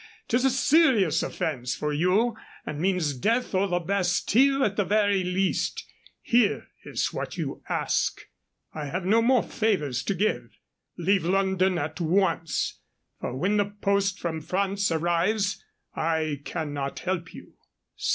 'Tis a serious offense for you, and means death, or the Bastile at the very least. Here is what you ask. I have no more favors to give. Leave London at once, for when the post from France arrives, I cannot help you.